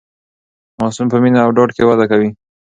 ماسوم په مینه او ډاډ کې وده کوي.